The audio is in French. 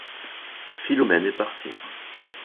Philomène est partie.